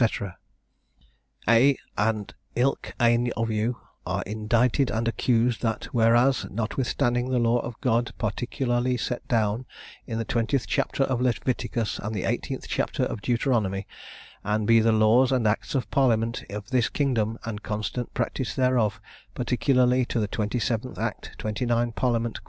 "Aye, and ilk ane of you, are indigtted and accused, that, whereas, notwithstanding the law of God particulurlie sett down in the 20th chapter of Leveticus and the 18th chapter of Deuteronomy, and be the lawes and actes of parliament of this kingdome and constant practis thereof, particularlie to the 27 act, 29 parliament Q.